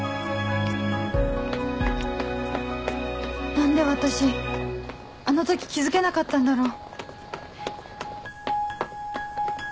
何で私あの時気付けなかったんだろう